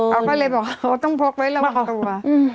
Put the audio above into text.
เขาก็เลยบอกว่าเขาต้องพกไว้ระวังตัว